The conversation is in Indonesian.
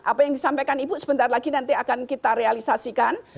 apa yang disampaikan ibu sebentar lagi nanti akan kita realisasikan